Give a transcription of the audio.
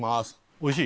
おいしい？